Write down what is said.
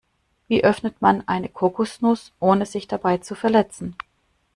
Wie öffnet man eine Kokosnuss, ohne sich dabei zu verletzen?